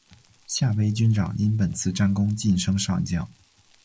夏威军长因本次战功晋升上将。